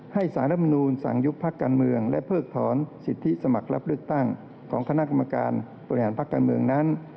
สารรัฐมนูลสั่งยุบพักการเมืองและเพิกถอนสิทธิสมัครรับเลือกตั้งของคณะกรรมการบริหารพักการเมืองนั้น